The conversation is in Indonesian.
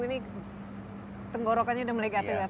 ini tenggorokannya sudah melekatkan